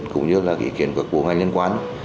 cũng như là ý kiến của ngành nhân quán